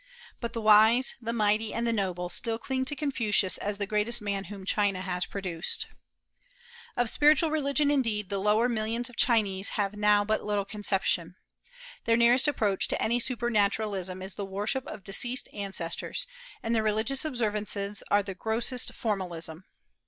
But the wise, the mighty, and the noble still cling to Confucius as the greatest man whom China has produced. Of spiritual religion, indeed, the lower millions of Chinese have now but little conception; their nearest approach to any supernaturalism is the worship of deceased ancestors, and their religious observances are the grossest formalism.